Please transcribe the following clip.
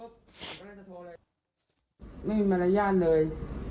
ก็ไม่มีมารยายณ์เลย